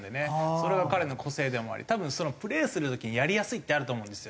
それが彼の個性でもあり多分プレーする時にやりやすいってあると思うんですよ。